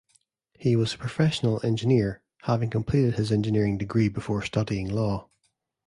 He was a professional engineer, having completed his engineering degree before studying law.